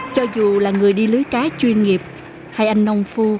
cho dù là người đi lưới cá chuyên nghiệp hay anh nông phu